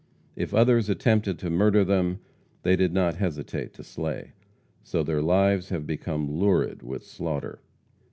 If others attempted to murder them, they did not hesitate to slay. So their lives have become lurid with slaughter.